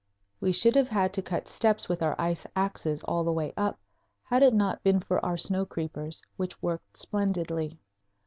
We should have had to cut steps with our ice axes all the way up had it not been for our snow creepers, which worked splendidly.